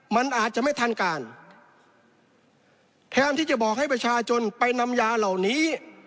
มันอาจจะไม่ทันการแทนที่จะบอกให้ประชาชนไปนำยาเหล่านี้